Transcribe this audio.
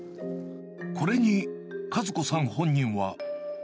これに一子さん本人は。